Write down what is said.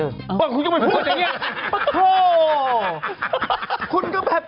คุณยังไม่พูดอย่างเงี้ย